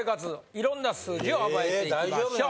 いろんな数字を暴いていきましょう。